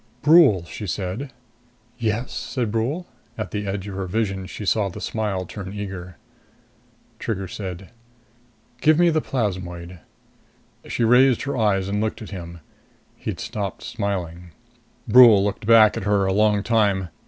"Brule," she said. "Yes?" said Brule. At the edge of her vision she saw the smile turn eager. Trigger said, "Give me the plasmoid." She raised her eyes and looked at him. He'd stopped smiling. Brule looked back at her a long time.